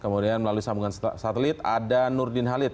kemudian melalui sambungan satelit ada nurdin halid